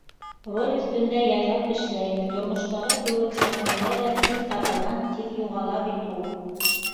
Роль өҫтөндә яйлап эшләйем, тормоштағы кеүек, сәхнәлә лә тиҙ табылған тиҙ юғала бит ул.